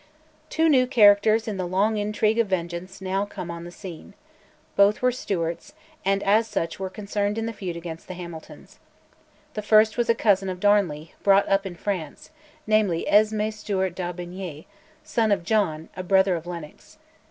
Two new characters in the long intrigue of vengeance now come on the scene. Both were Stewarts, and as such were concerned in the feud against the Hamiltons. The first was a cousin of Darnley, brought up in France, namely Esme Stuart d'Aubigny, son of John, a brother of Lennox.